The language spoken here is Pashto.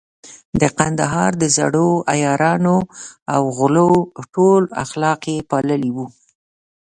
د کندهار د زړو عیارانو او غلو ټول اخلاق يې پاللي وو.